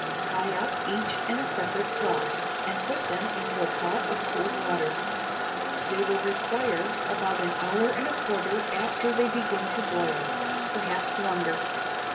Tie up each in a separate cloth, and put them into a pot of cold water. They will require about an hour and a quarter after they begin to boil, perhaps longer.